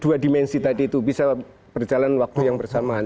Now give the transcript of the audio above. dua dimensi tadi itu bisa berjalan waktu yang bersamaan